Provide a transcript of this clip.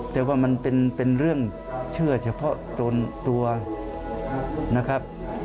แต่ว่ามันเป็นเรื่องเชื่อเฉพาะโดนตัวนะครับ